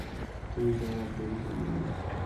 তুমি যাও, আর দেরি করিয়ো না।